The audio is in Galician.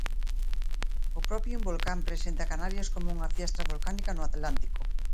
O propio Involcan presenta Canarias coma unha fiestra volcánica no Atlántico.